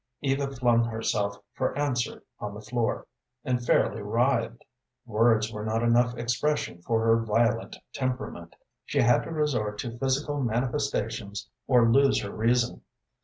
Eva flung herself for answer on the floor, and fairly writhed. Words were not enough expression for her violent temperament. She had to resort to physical manifestations or lose her reason.